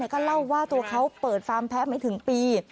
ก็เล่าว่าตัวเขาเปิดฟาร์มแพ้ไม่ถึงปี